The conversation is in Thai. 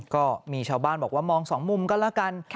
ก็มีชาวบ้านบอกว่ามองสองมุมก็แล้วกัน